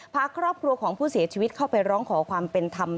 พาครอบครัวของผู้เสียชีวิตเข้าไปร้องขอความเป็นธรรม